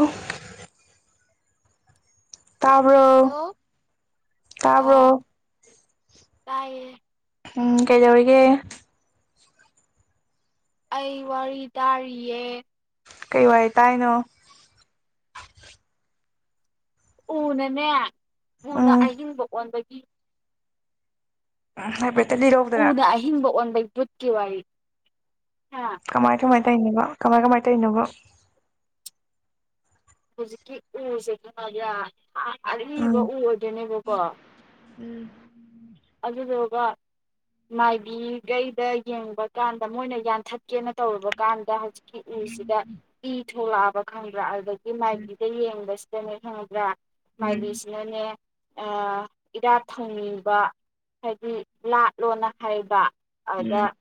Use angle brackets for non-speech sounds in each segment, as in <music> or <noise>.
ꯑꯣ ꯇꯕꯣ ꯍꯜꯂꯣ ꯑꯥ ꯇꯕꯣ ꯇꯥꯏꯌꯦ ꯎꯝ ꯀꯩꯗꯧꯔꯤꯒꯦ ꯑꯩ ꯋꯥꯔꯤ ꯇꯥꯔꯤꯌꯦ ꯀꯩ ꯋꯥ ꯇꯥꯏꯅꯣ ꯎꯅꯅ ꯃꯨꯅ ꯎꯝꯝ ꯑꯍꯤꯡꯕ ꯑꯣꯟꯕꯒꯤ ꯎ ꯎꯦ ꯎꯅ ꯑꯍꯤꯡꯕ ꯑꯣꯟꯕꯩ ꯆꯊ ꯋꯥꯏ ꯀꯃꯥꯏ ꯀꯃꯥꯏꯅ ꯇꯅꯦꯕ ꯀꯃꯥꯏ ꯀꯃꯥꯏ ꯇꯧꯅꯣꯕꯣ ꯍꯧꯖꯤꯛꯀꯤ ꯎꯁꯦ ꯃꯥꯕ ꯑꯔꯤꯕ ꯎꯔꯗꯣꯏꯅꯦꯕꯀꯣ ꯎꯝ ꯑꯗꯨꯗꯨꯒ ꯃꯥꯏꯕꯤꯈꯩꯗ ꯌꯦꯡꯕ ꯀꯥꯟꯗ ꯃꯣꯏꯅ ꯌꯥꯟꯊꯠꯀꯦꯅ ꯇꯧꯔꯨꯕꯀꯥꯟꯗ ꯍꯧꯖꯤꯛ ꯎ ꯁꯤꯒ ꯏ ꯊꯣꯛꯂꯛꯑꯕ ꯈꯪꯕ꯭ꯔꯥ ꯍꯥꯏ ꯒꯤ ꯃꯥꯏꯕꯤꯗ ꯌꯦꯡꯕꯁꯤ ꯅꯤ ꯈꯪꯕ꯭ꯔꯥ ꯃꯥꯏꯚꯁꯅꯨꯅꯦ ꯏꯔꯥꯠ ꯊꯣꯡꯅꯤꯡꯕ ꯍꯥꯏꯗꯤ ꯂꯥꯠꯂꯣꯅ ꯍꯥꯏꯕ ꯎꯝ ꯑꯗ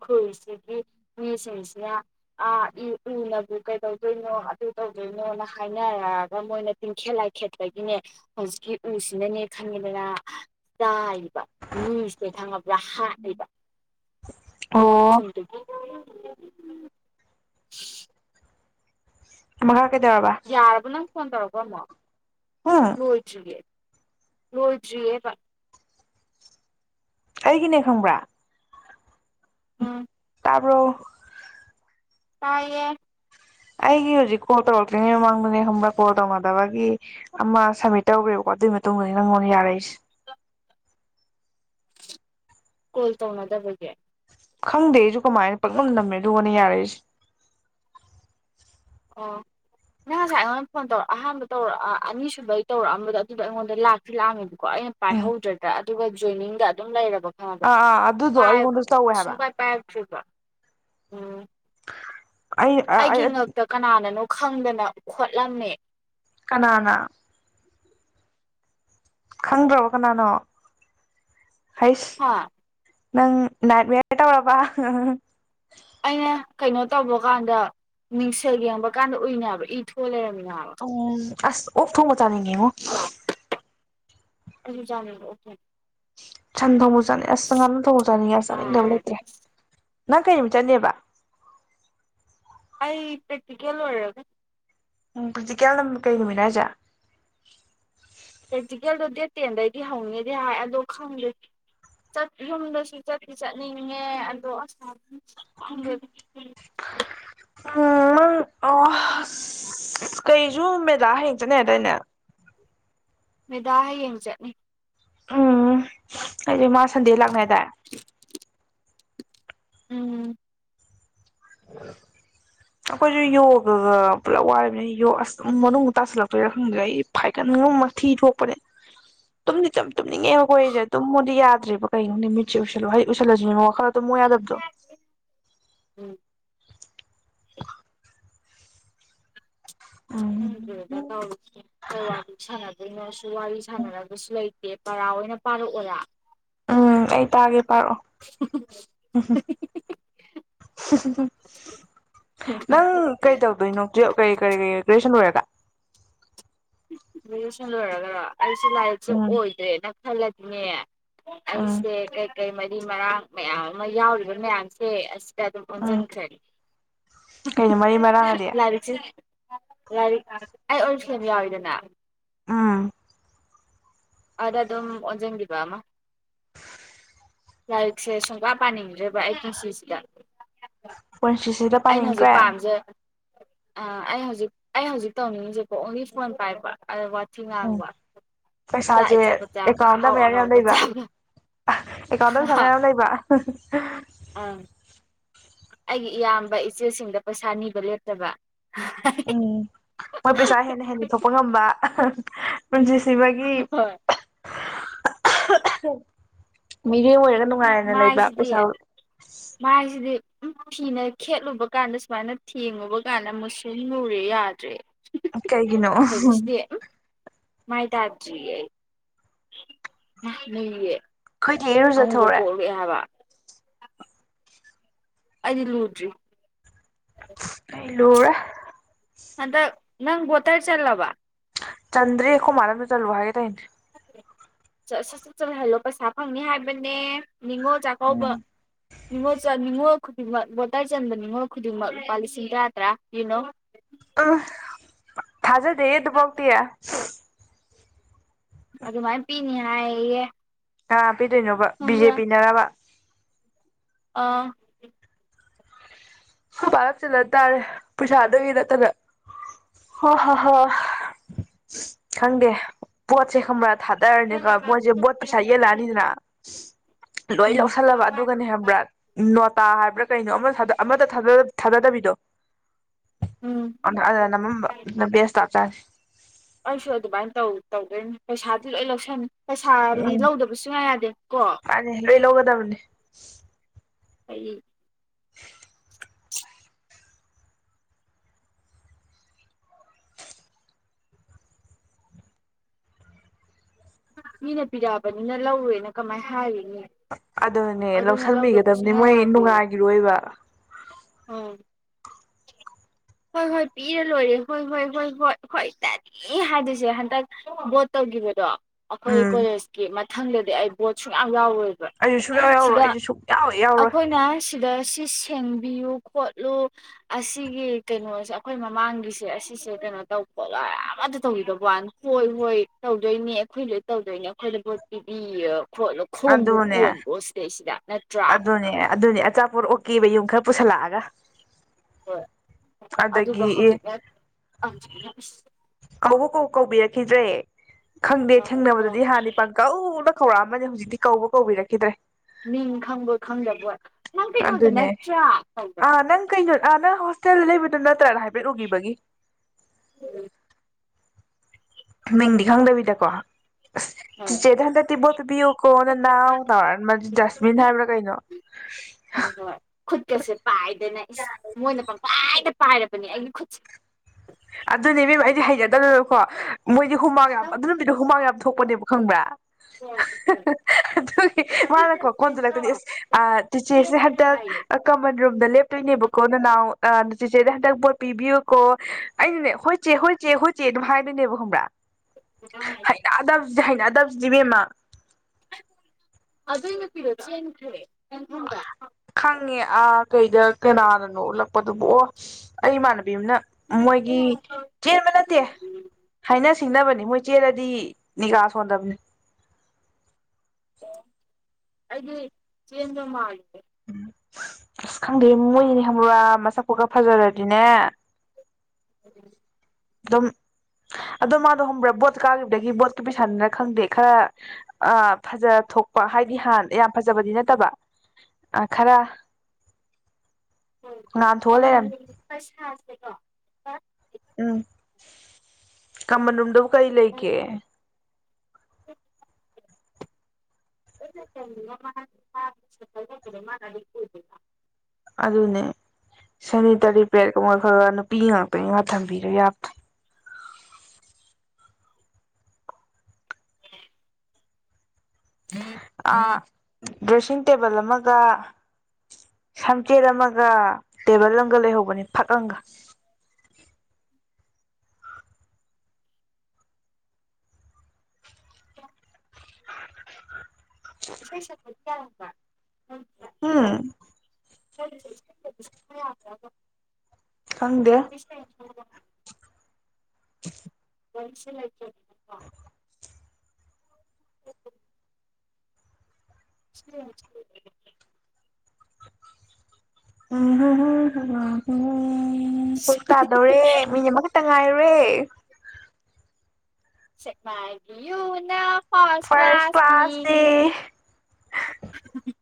ꯈꯨꯜꯁꯤꯒꯤ ꯃꯤꯁꯤꯡꯁꯤꯅ ꯑ ꯎꯅꯕꯨ ꯀꯩꯇꯧꯗꯣꯏꯅꯣ ꯑꯗꯨ ꯇꯧꯗꯣꯏꯅꯣꯅ ꯍꯥꯏꯅꯔꯛꯑꯒ ꯃꯣꯏꯅ ꯇꯤꯡꯈꯦꯠ ꯂꯥꯏꯈꯦꯠꯄꯒꯤꯅꯦ ꯍꯧꯖꯤꯛꯀꯤ ꯎꯁꯤꯅꯅꯦ ꯈꯟꯉꯦꯗꯅ ꯆꯥꯏ ꯃꯤꯁꯦ ꯈꯪꯉꯕ꯭ꯔꯥ ꯍꯥꯠꯂꯤꯕ ꯃꯈꯣꯏ ꯑꯣ ꯈꯨꯟꯗꯨꯒꯤ <unintelligible> ꯑꯃꯥꯛ ꯀꯩꯗꯧꯔꯕꯥ ꯌꯥꯔꯕ ꯅꯪ ꯐꯣꯟ ꯇꯧꯔꯕ ꯑꯃꯨꯛ ꯍꯣꯏ ꯒ ꯂꯣꯏꯗ꯭ꯔꯤꯌꯦ ꯕꯥ꯫ ꯑꯩꯒꯤꯅꯦ ꯈꯪꯕ꯭ꯔꯥ ꯎꯝ ꯇꯥꯕ꯭ꯔꯣ ꯇꯥꯏꯌꯦ ꯑꯩꯒꯤ ꯍꯧꯖꯤꯛ ꯀꯣꯜ ꯇꯧꯔꯛꯇ꯭ꯔꯤꯉꯩ ꯃꯃꯥꯡꯗꯅꯦ ꯈꯡꯕꯔꯥ ꯀꯣꯜ ꯇꯧꯅꯗꯕꯒꯤ ꯑꯃ ꯁꯝꯃꯤꯠ ꯇꯧꯒꯔ꯭ꯦꯕꯀꯣ ꯑꯗꯨꯏ ꯃꯇꯨꯡꯗꯅꯤ ꯅꯪꯉꯣꯟꯗ ꯌꯥꯔꯛꯏꯁꯦ ꯀꯣꯜ ꯇꯧꯅꯗꯕꯒꯤ ꯈꯪꯗꯦ ꯑꯩꯖꯨ ꯀꯃꯥꯏꯅ ꯄꯛꯅꯝ ꯅꯝꯃꯦ ꯑꯗꯨꯒꯅ ꯌꯥꯔꯛꯏꯁꯦ ꯑꯣ ꯅꯪ ꯉꯁꯥꯏ ꯑꯩꯉꯣꯟꯗ ꯐꯣꯟ ꯇꯧꯔꯛ ꯑꯍꯥꯟꯕ ꯇꯧꯔꯛ ꯑꯅꯤꯁꯨꯕꯩ ꯇꯧꯔꯛꯑꯝꯕꯗꯣ ꯑꯗꯨꯗꯣ ꯑꯩꯉꯣꯟꯗ ꯂꯥꯛꯇꯤ ꯂꯥꯛꯑꯃꯦꯕ ꯀꯣ ꯑꯩꯅ ꯎꯝ ꯄꯥꯏꯍꯧꯗ꯭ꯔꯗ ꯗꯨꯒ ꯖꯣꯏꯅꯤꯡꯒ ꯑꯗꯨꯝ ꯂꯩꯔꯕ ꯈꯪꯉꯕꯔꯥ ꯑꯥ ꯑꯥ ꯑꯗꯨꯗꯣ ꯄꯥꯏ ꯑꯩꯉꯣꯟꯗꯁꯨ ꯇꯧꯋꯦ ꯍꯥꯏꯕ ꯁꯨꯡꯄꯥꯏ ꯄꯥꯏꯛꯇ꯭ꯔꯤꯕ꯭ꯔꯣ ꯎꯝ ꯑꯩ ꯑꯩꯒꯤ ꯑꯩ ꯉꯛꯇ ꯀꯅꯥꯅꯅꯣ ꯈꯪꯗꯅ ꯈꯣꯠꯂꯝꯃꯦ ꯀꯅꯥꯅ ꯈꯪꯗ꯭ꯔꯕ ꯀꯅꯥꯅꯣ ꯍꯩꯁ ꯍꯥ ꯅꯪ ꯅꯥꯏꯠ ꯃꯦꯌꯔ ꯇꯧꯔꯕ ꯎꯝ ꯑꯩꯅ ꯀꯩꯅꯣ ꯇꯧꯕ ꯀꯥꯟꯗ ꯃꯤꯡꯁꯦꯜ ꯌꯦꯡꯕ ꯀꯥꯟꯗ ꯎꯏꯅꯦꯕ ꯏ ꯊꯣꯛꯑ ꯂꯩꯔꯝꯃꯤ ꯎꯝ ꯑꯁ ꯑꯣꯛ ꯊꯣꯡꯕ ꯆꯥꯅꯤꯡꯉꯦꯉꯣ <inaudible> ꯑꯩꯖꯨ ꯆꯥꯅꯤꯡꯉꯦ ꯑꯣꯛ ꯊꯣꯡꯕ ꯁꯟ ꯊꯣꯡꯕꯁꯨ ꯆꯥꯅꯤꯡ ꯑꯁ ꯉꯥꯅꯨ ꯊꯣꯡꯕ ꯁꯨ ꯆꯥꯅꯤꯉꯦ ꯑꯁ ꯆꯥꯅꯤꯡꯗꯕ ꯆꯥꯔꯗꯤ ꯂꯩꯇ꯭ꯔꯦ ꯑꯁ ꯅꯪ ꯀꯩ ꯅꯨꯃꯤꯠ ꯆꯠꯅꯤꯕ ꯑꯩ ꯄ꯭ꯔꯦꯛꯇꯤꯀꯦꯜ ꯂꯣꯏꯔꯒ ꯎꯝ ꯄꯔꯦꯛꯇꯤꯀꯦꯜ ꯀꯩ ꯅꯨꯃꯤꯠ ꯍꯥꯏꯖꯦ ꯄ꯭ꯔꯦꯛꯇꯤꯀꯦꯜꯗꯣ ꯗꯦꯠ ꯇꯦꯟꯗꯩꯗꯤ ꯍꯧꯅꯦꯗꯤ ꯍꯥꯏ ꯑꯗꯣ ꯈꯪꯗꯦ ꯌꯨꯝꯗꯁꯨ ꯆꯠꯇꯤ ꯆꯠꯅꯤꯡꯉꯦ ꯑꯗꯣ ꯑꯁ ꯈꯪꯗꯦ ꯎꯝ ꯃꯪ ꯑꯥ ꯑꯁ ꯀꯩꯖꯨ ꯃꯦꯠ ꯂꯥ ꯍꯥꯌꯦꯡ ꯆꯠꯅꯤ ꯍꯥꯌꯗꯥꯏꯅꯦ ꯃꯦꯗꯥ ꯍꯌꯦꯡ ꯆꯠꯅꯤ ꯎꯝ ꯍꯥꯏꯗꯤ ꯃꯥꯁ ꯁꯟꯗꯦ ꯂꯥꯛꯅꯦꯗ ꯎꯝ ꯑꯩꯈꯣꯏꯁꯨ ꯌꯣꯒꯒ ꯄꯨꯂꯞ ꯋꯥꯃꯤꯅꯤ ꯌꯣ ꯑꯁ ꯑꯗꯨꯝ ꯃꯅꯨꯡꯗ ꯇꯥꯁꯤꯜꯂꯛꯄꯩꯔ ꯈꯪꯗ꯭ꯔꯦ ꯑꯩ ꯐꯥꯏꯒꯠꯒ ꯃꯊꯤ ꯊꯣꯛꯄꯅꯦ ꯇꯨꯝꯗꯤ ꯇ ꯇꯨꯡꯉꯡꯔꯤꯁꯦ ꯇ ꯃꯨꯗꯤ ꯌꯥ ꯠꯇꯔꯤꯕ ꯀꯩꯅꯣꯅꯦ ꯃꯤꯠꯁꯤꯦ ꯎꯁꯜꯂꯣ ꯍꯥꯏ ꯎꯁꯜꯂꯁꯤꯕ ꯋꯥꯈꯗ ꯃꯣꯏ ꯌꯥꯗꯕꯗꯣ ꯎꯝ ꯍꯪ ꯎꯝ ꯀꯩꯅꯣꯁꯨ ꯋꯥꯔꯤ ꯁꯥꯟꯅꯔꯕꯁꯨ ꯂꯩꯇꯦ ꯄꯔꯥ ꯑꯣꯏꯅ ꯄꯥꯔꯛꯑꯣꯔꯥ ꯎꯝ ꯑꯩ ꯇꯥꯒꯦ ꯄꯥꯔꯛꯑꯣ ꯎ ꯅꯪ ꯀꯩ ꯇꯧꯗꯣꯏꯅꯣ ꯀ ꯀꯔꯤ ꯀ ꯀꯁꯟ ꯔꯔꯦ ꯀ ꯁꯂ ꯍꯒ ꯑꯩꯁꯨ ꯂꯥꯏꯔꯤꯛꯁꯨꯦ ꯎꯝ ꯑꯣꯏꯗ꯭ꯔꯦꯅ ꯊꯂꯗꯤꯉꯦ ꯎꯝ ꯑꯁꯦ ꯀ ꯀꯩ ꯃꯔꯤ ꯃꯔꯥꯡ ꯃꯌꯥꯝ ꯑꯃ ꯌꯥꯎꯔꯤꯕ ꯃꯌꯥꯝꯁꯦ ꯑꯁ ꯎꯝ ꯗꯀꯥꯟꯖꯅ ꯈꯔꯤ ꯀꯩꯅꯣ ꯃꯔꯤ ꯃꯔꯥꯡꯑꯗꯤ ꯂꯔꯤ ꯔꯤ ꯑꯣ ꯌꯥꯎ ꯑꯗꯨꯗ ꯎꯥ ꯑꯗ ꯑꯗꯨ ꯑꯣꯟꯖꯪꯤꯕꯃ ꯂꯥꯏꯔꯤꯛꯁꯦ ꯁꯨꯡꯀꯌꯥ ꯄꯥꯅꯤꯡꯗ꯭ꯔꯦꯕ ꯑꯩ ꯁꯤꯁꯤꯗ ꯄꯨꯟꯁꯤꯁꯤꯗ ꯄꯥꯅꯤꯡꯗ꯭ꯔꯦ ꯑ ꯑꯩ ꯍꯧꯖꯤꯛ ꯑꯩ ꯍꯧꯖꯤꯛ ꯇꯧꯅꯤꯡꯉꯤꯁꯦꯀꯣ ꯑꯣꯡꯂꯤ ꯐꯣꯟ ꯄꯥꯏꯕ ꯑ ꯆꯤꯉꯥꯡꯕ ꯁꯦ ꯑꯦꯀꯥꯎꯟꯗ ꯃꯌꯥꯝ ꯌꯥꯝ ꯂꯩꯕ ꯑꯦꯀꯥꯎꯟꯗ ꯄꯁꯥ ꯃꯌꯥꯝ ꯌꯥꯝ ꯂꯩꯕ ꯎ ꯑꯥ ꯑꯩꯒꯤ ꯏꯌꯥꯝꯕ ꯏꯆꯦꯁꯤꯡꯗ ꯄꯩꯁꯥ ꯅꯤꯕ ꯂꯦꯞꯇꯕ ꯃꯣꯏ ꯄꯩꯁꯥ ꯄꯨꯟꯁꯤꯁꯤꯕꯒꯤ <unintelligible> ꯃꯤꯔꯦꯡ ꯑꯣꯏꯔꯒ ꯅꯨꯡꯉꯥꯏꯅ ꯂꯩꯕ ꯃꯥꯏꯁꯤꯗꯤ ꯄꯩꯁꯥ ꯊꯤꯅ ꯈꯦꯠꯂꯨꯕ ꯀꯥꯟꯗ ꯁꯨꯃꯥꯏꯅ ꯊꯦꯡꯉꯨꯕ ꯀꯥꯟꯗ ꯃꯨꯁꯨ ꯂꯨꯔꯦ ꯌꯥꯗ꯭ꯔꯦ ꯀꯩꯒꯤꯅꯣ꯫ ꯀꯩꯅꯣꯁꯤꯗꯤ ꯎꯝ ꯃꯥꯏ ꯇꯕꯖꯤ ꯑꯩ <unintelligible> ꯈꯣꯏꯗꯤ ꯑꯃꯨꯕ ꯏꯔꯨꯖꯊꫭꯛꯔꯦ꯫ ꯀꯣꯛꯂꯛꯑꯦ ꯍꯥꯏꯕ ꯑꯩꯗꯤ ꯂꯨꯗ꯭ꯔꯤ꯫ ꯂꯨꯔꯦ꯫ ꯍꯟꯗꯛ ꯅꯪ ꯕꯣꯇꯔ ꯆꯜꯂꯕ꯫ ꯆꯟꯔꯤꯀꯣ ꯃꯥ ꯃꯔꯗ ꯆꯜꯂꯣ ꯍꯥꯏꯦ ꯇꯥꯏꯅ <unintelligible> ꯁꯠ ꯆꯠ ꯆꯠꯍꯜꯂꯣ ꯄꯩꯁꯥ ꯐꯪꯅꯤ ꯍꯥꯏꯕꯅꯦ꯫ ꯅꯤꯡꯉꯣꯜ ꯆꯥꯛꯀꯧꯕ ꯅꯤꯡꯉꯣ ꯆ ꯅꯤꯡꯉꯣ ꯈꯨꯗꯤꯡꯃꯛ ꯕꯣꯇꯔ ꯆꯟꯕ ꯅꯤꯡꯉꯣꯜ ꯈꯨꯗꯤꯡꯃꯛ ꯂꯨꯄꯥ ꯂꯤꯁꯤꯡ ꯇꯔꯥ ꯇꯔꯥ ꯌꯦꯨꯅꯣ꯫ ꯎ ꯊꯖꯦ ꯗꯌꯦ ꯄꯣꯛꯇꯌꯥ ꯑꯗꯨꯃꯥꯏꯅ ꯄꯤꯅꯤ ꯍꯥꯏꯌꯦꯌꯦ꯫ ꯀꯥ ꯄꯤꯗꯣꯏꯅꯣꯕ ꯕꯤ ꯖꯦ ꯄꯤ ꯅꯔꯕ꯫ ꯑꯥ ꯄꯥꯂꯞ ꯆꯜꯂ ꯇꯥꯔꯦ ꯄꯩꯁꯥꯗꯨꯒꯤ ꯅꯠꯇꯅ ꯍꯣ ꯍꯣ ꯍ ꯈꯪꯗꯦ ꯄꯣꯠꯁꯦ ꯈꯪꯕ꯭ꯔꯥ ꯊꯥꯗꯔꯅꯤꯀ ꯃꯣꯏꯁꯦ ꯕꯣꯠ ꯄꯩꯁꯥ ꯌꯦꯜꯂꯛꯑꯅꯤꯗꯅ ꯂꯣꯏ ꯎꯝ ꯂꯧꯁꯜꯂꯕ ꯑꯗꯨꯒꯅꯦ ꯍꯥꯏꯕ꯭ꯔꯥ ꯅꯣꯠ ꯇꯥ ꯍꯥꯏꯕ꯭ꯔꯥ ꯀꯩꯅꯣ ꯑꯃ ꯑꯃꯗ ꯊꯗ ꯊꯗꯗ ꯊꯥꯗꯗꯕꯤꯗꯣ ꯎꯝ ꯁ ꯇꯥꯇꯥꯔꯦ ꯑꯩꯁꯨ ꯑꯗꯨꯃꯥꯏꯅ ꯇꯧ ꯇꯧꯗꯣꯏꯅꯦ ꯄꯩꯁꯥꯗꯤ ꯂꯣꯏ ꯂꯧꯁꯟ ꯄꯩꯁꯥꯗꯤ ꯎꯝ ꯂꯧꯗꯕ ꯁꯨꯡꯌꯥ ꯌꯥꯗꯦ ꯀꯣ ꯃꯥꯅꯤ ꯂꯣꯏ ꯂꯧꯒꯗꯕꯅꯤ꯫ ꯑꯩ <unintelligible> ꯃꯤꯅ ꯄꯤꯔꯛꯑꯕꯅꯤꯅ ꯂꯧꯔꯦꯅ ꯀꯃꯥꯏꯅ ꯍꯥꯏꯔꯤ ꯑꯗꯨꯅꯦ ꯂꯧꯁꯟꯕꯤꯒꯗꯕꯅꯤ ꯃꯣꯏ ꯅꯨꯡꯉꯥꯏꯒꯤꯔꯣꯏꯕ꯫ ꯑꯣ ꯍꯣꯏ-ꯍꯣꯏ ꯄꯤꯔ ꯂꯣꯏꯔꯦ ꯍꯣꯏ-ꯍꯣꯏ ꯍꯣꯏ-ꯍꯣꯏ ꯍꯣꯏ ꯇꯅꯤ ꯍꯥꯏꯗꯨꯁꯦ ꯍꯟꯗꯛ ꯕꯣꯠ ꯇꯧꯈꯤꯕꯗꯣ꯫ ꯑꯈꯣꯏ ꯎꯝ ꯀꯣꯂꯦꯁꯀꯤ ꯃ ꯊꯪꯗꯗꯤ ꯑꯩ ꯕꯣꯠ ꯁꯨꯡꯌꯥꯎ ꯌꯥꯎꯋꯦꯕ ꯑꯩꯁꯨ ꯁꯨꯡꯌꯥꯎ ꯌꯥꯎꯔꯣꯏ ꯁꯤꯗ ꯑꯩꯁꯨ ꯁꯨꯡꯌꯥꯎ ꯌꯥꯎꯔꯣꯏ ꯑꯩꯈꯣꯏꯅ ꯁꯤꯗ ꯁꯤ ꯊꯦꯡꯕꯤꯌꯨ ꯈꯣꯠꯂꯨ ꯑꯁꯤꯒꯤ ꯀꯩꯅꯣꯁꯦ ꯑꯩꯈꯣꯏ ꯃꯃꯥꯡꯒꯤꯁꯦ ꯑꯁꯤꯁꯦ ꯀꯩꯅꯣ ꯇꯧꯕ ꯒꯥ ꯑꯃꯇ ꯇꯧꯤꯗ ꯋꯥꯅꯤ꯫ ꯍꯣꯏ-ꯍꯣꯏ ꯇꯧꯗꯣꯏꯅꯦ ꯑꯩꯈꯣꯏ ꯂꯣꯏ ꯇꯧꯗꯣꯏꯅꯦ ꯑꯩꯈꯣꯏꯗ ꯄꯚꯣꯠ ꯄꯤꯕꯤꯌꯦ꯫ ꯈꯣꯠꯂꫭ ꯈꯣꯡꯕꯨ ꯀꯣꯟꯕꯑꯣ ꯁꯤꯗꯩꯁꯤꯗ꯫ ꯅꯠꯇ꯭ꯔꯥ ꯑꯗꯨꯅꯦ-ꯑꯗꯨꯅꯦ꯫ ꯆꯥꯄꯣꯠ ꯑꯣꯛꯀꯦꯕ ꯌꯨꯝ ꯈꯔ ꯄꯨꯁꯜꯂꯛꯑꯒ꯫ ꯍꯣꯏ ꯑꯗꯒꯤ ꯑꯗꯨꯒ ꯑꯦ ꯍꯧꯖꯤꯛꯅꯦ ꯍꯧꯖꯤꯛ ꯑ ꯀ ꯀꯧꯕꯤꯔꯛꯈꯤꯗ꯭ꯔꯦ ꯈꯪꯗꯦ ꯑꯗꯨꯒ ꯊꯦꯡꯅꯕꯗꯗꯤ ꯍꯥꯟꯅꯤ ꯄꯪꯀꯧꯛ ꯍꯧꯧꯔꯛꯑ ꯑꯃꯅꯦ ꯍꯧꯖꯤꯛꯇꯤ ꯀꯧꯕ ꯀꯧꯕꯤꯔꯛꯈꯤꯗ꯭ꯔꯦ ꯃꯤ ꯈꯪꯕꯣꯏ ꯈꯪꯗꯕꯣꯏ ꯅꯪ ꯀꯩꯅꯣꯗ ꯑꯗꯨꯅꯦ ꯅꯠꯇ꯭ꯔꯥ ꯇꯧꯕ꯭ꯔ ꯆ ꯂꯩꯕꯤꯅ ꯆ ꯇꯅ ꯍꯥꯏꯐꯦꯠꯂꯨꯈꯤꯕꯒꯤ ꯍꯣꯏ ꯃꯤꯡꯗꯤ ꯈꯪꯗꯕꯤꯗꯀꯣ ꯍꯣꯏ ꯆꯦ ꯊꯟꯗ ꯇꯕ ꯇꯕꯤ ꯀꯣꯟꯅ ꯅꯅꯥꯎ ꯅꯧꯔ ꯃꯥ ꯗꯁꯕꯤꯤꯟ ꯍꯥꯏꯕ꯭ꯔ ꯀꯩꯅꯣ ꯏꯁꯁ ꯃꯣꯏꯅ ꯄꯪꯈꯥꯏꯗ ꯄꯥꯏꯔꯕꯅꯦ ꯑꯩꯒꯤ ꯈꯨꯠꯁꯦ ꯑꯗꯨꯅꯦꯕꯦꯝ ꯑꯩꯗꯤ ꯍꯩꯖꯗꯔꯣꯀꯣ ꯃꯣꯏꯗꯤ ꯍꯨꯃꯥꯒ ꯌꯥꯝ ꯅꯪ ꯑꯗꯨ ꯅꯨꯗꯣ ꯍꯨꯃꯥ ꯌꯥꯝ ꯊꯣꯛꯄꯅꯦꯕ ꯈꯪꯕ꯭ꯔꯥ ꯍꯣꯏ ꯍꯣꯏ ꯑꯗꯨꯒꯤ ꯑꯗꯨꯏ ꯃꯥꯅꯀꯣ ꯖꯁꯃꯤꯟꯗꯣ ꯀꯣꯟꯁꯤꯜꯂꯛꯄꯅꯤ ꯑꯦꯁ ꯖꯁꯃꯤꯟꯗꯣ ꯇꯤꯆꯦꯁꯦ ꯆꯦꯟꯈ꯭ꯔꯦ ꯍꯟꯗꯛ ꯍꯥꯏꯌꯦ ꯀꯃꯟ ꯔꯨꯝꯗ ꯂꯦꯞꯇꯣꯏꯅꯦꯕꯀꯣ ꯅ ꯅꯅꯥꯎ ꯆꯤꯆꯦꯗ ꯍꯟꯗꯛ ꯄꯤꯕꯤꯨ ꯀꯣ ꯑꯩꯩꯅꯅꯦ ꯍꯣꯏꯆꯦ ꯍꯣꯏ ꯆꯦ ꯍꯣꯏ ꯆꯦ ꯑꯗꯨꯝ ꯍꯥꯏꯗꯣꯏꯅꯦꯕ ꯈꯪꯕ꯭ꯔꯥ ꯍꯩꯅ ꯑꯗ ꯗꯤ ꯍꯥꯏꯩꯅꯗꯕꯁꯤꯗꯤꯕꯦꯝꯃ ꯑꯗꯨ ꯑꯩꯅ ꯄꯤꯔꯛꯁ ꯍꯥꯏꯟꯈ꯭ꯔꯦ ꯈꯪ ꯈꯪꯉꯦ ꯑꯥ ꯀꯩꯗ ꯀꯅꯥꯗꯅꯣ ꯎꯠꯂꯛꯄꯗꯨꯕꯨ ꯑꯣ ꯑꯩ ꯃꯅ ꯅ ꯃꯣꯏꯒꯤ ꯆꯦꯟꯕ ꯅꯠꯇꯦ ꯍꯥꯏꯅ ꯁꯤꯡꯅꯕꯅꯤ ꯃꯣꯏ ꯆꯦꯂꯗꯤ ꯅꯤꯒꯥꯥ ꯁꯣꯟꯗꯕꯅꯤ ꯑꯩꯗꯤ ꯆꯦꯟꯟ꯭ꯔꯃ ꯍꯥꯏꯦ ꯎ ꯑꯁ ꯈꯪꯗꯦ ꯃꯣꯏꯅꯤ ꯍꯪꯕ꯭ꯔꯥ ꯃꯆꯥꯛ ꯀꯣꯠꯀ ꯐꯖꯔꯗꯤꯅꯦ ꯎꯝ ꯑꯗꯨꯝ ꯑꯗꯨꯗꯣ ꯃꯥꯅ ꯍꯕ꯭ꯔꯕꯣ ꯀꯥꯈꯤꯕꯗꯒꯤ ꯕꯣꯠꯀꯤ ꯄꯩꯁꯥꯅꯤꯅ ꯈꯪꯗꯦ ꯈꯔ ꯐꯖ ꯊꯣꯛꯄ ꯍꯥꯏꯗꯤ ꯍꯥꯟꯅ ꯌꯥꯝ ꯐꯖꯕꯗꯤ ꯅꯠꯇꯕ ꯑ ꯈꯔ ꯍ ꯉꯥꯟꯊꯣꯛꯑ ꯂꯩꯔꯝꯃꯤ ꯍꯣꯏ ꯣ <inaudible> ꯎꯝ ꯀꯃꯟ ꯀꯩ ꯂꯩ ꯀꯦ <inaudible> ꯗꯤ ꯑꯗꯨꯅꯦ ꯁꯦꯅꯤꯇꯔꯤ ꯄꯦꯔ ꯀ ꯈꯔꯅ ꯄꯤ ꯉꯥꯛꯇꯅꯤ ꯉ ꯊꯝꯕꯤꯔꯣ ꯌꯥ꯭ꯔꯦ ꯑ ꯗ꯭ꯔꯦꯁꯤꯡ ꯇꯦꯕꯜ ꯑꯃꯒ ꯁꯝꯆꯦꯠ ꯑꯃꯒ ꯇꯦꯕꯜ ꯑꯃꯒ ꯂꯩꯍꯧꯕꯅꯤ ꯐꯛ ꯑꯒ ꯎ ꯁꯩꯁꯛ ꯎꯝ ꯎꯝ ꯌꯥ꯭ꯔꯒ ꯍꯪꯗꯦ ꯃꯁꯤ ꯎ ꯎ ꯍ ꯍ ꯍ ꯍ ꯎꯝ ꯍꯣꯏ ꯀꯥꯗꯣꯔꯦ ꯃꯤ ꯑꯃꯈꯛꯇ ꯉꯥꯏꯔꯨꯔꯦ ꯃꯒꯤ ꯌꯨꯅ ꯐꯁ ꯀ꯭ꯂꯥꯁꯁꯤ ꯎ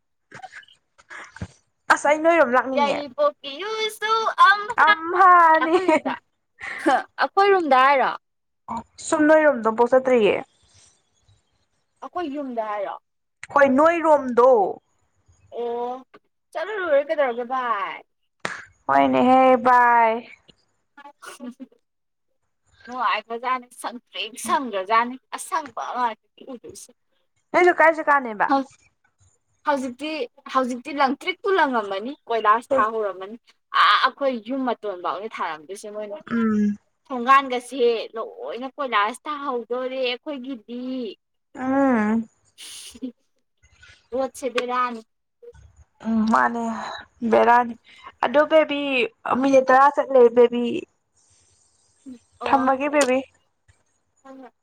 ꯑꯁ ꯆ ꯅꯣꯏꯔꯣꯝ ꯂꯥꯛꯅꯤꯡꯉꯦ ꯌꯥꯏꯔꯤꯄꯣꯛꯀꯤ <inaudible> ꯑꯝꯃꯅꯤ ꯗꯔꯥ ꯁꯨꯝ ꯅꯣꯏꯔꯣꯝꯗꯣ ꯄꯣꯠꯆꯠꯇ꯭ꯔꯤꯌꯦ ꯑꯩꯈꯣꯏ ꯌꯨꯝꯗ ꯍꯥꯏꯔꯣ ꯍꯣꯏ ꯅꯣꯏꯔꯣꯝꯗꯣ ꯑꯣ ꯆꯂꯣ ꯂꯨꯔ ꯀꯩꯗꯧꯔꯒꯦ ꯚꯏ ꯍꯅꯦꯍꯦꯕꯥꯥꯏ ꯅ ꯍꯥꯏ ꯃꯖꯥꯅꯤ ꯁꯪ ꯁꯝꯗꯖꯥꯅꯤ ꯑꯁꯪꯕꯁ ꯅꯣꯏꯗꯣ ꯀꯥꯏ ꯖꯒꯥꯅꯦꯕ ꯍꯧꯖꯤꯛꯇꯤ ꯍꯧꯖꯤꯛꯇꯤ ꯂꯪ ꯇ꯭ꯔꯤꯛꯄꯨ ꯂꯪꯉꯝꯃꯅꯤ ꯀꯣꯏꯂꯥꯁ ꯊꯥ ꯍꯧꯔꯝꯃꯅꯤ ꯑꯥ ꯑꯩꯈꯣꯏ ꯌꯨꯝ ꯃꯇꯣꯟ ꯐꯥꯎꯅꯦ ꯊꯥꯔꯛ ꯑꯗꯨꯁꯦ ꯃꯣꯏꯅ ꯎꯝ ꯊꯣꯡꯒꯥꯟꯒ ꯁꯦ ꯂꯣꯏꯅ ꯀꯣꯏꯂꯥꯁ ꯊꯥꯍꯧꯗꯣꯔꯦ ꯑꯩꯈꯣꯏꯒꯤꯗꯤ ꯎꯝ ꯎꯝ <inaudible> ꯚꯣꯠꯁꯦ ꯕꯦꯔꯥꯅꯤ ꯎꯝ ꯃꯥꯅꯦ ꯕꯦꯔꯥꯅꯤ ꯑꯗꯨ ꯕꯦꯕꯤ ꯃꯤꯅꯤꯠ ꯇꯔꯥ ꯆꯠꯂꯦ ꯕꯦꯕꯤ ꯊꯝꯃꯒꯦ ꯕꯤꯕꯤ ꯍꯣꯏꯍꯣꯏ